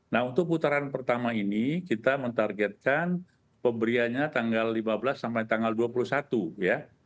nah untuk putaran pertama ini kita mentargetkan pemberiannya tanggal lima belas sampai tanggal dua puluh satu ya